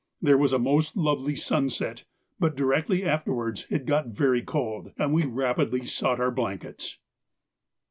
There was a most lovely sunset, but directly afterwards it got very cold, and we rapidly sought our blankets.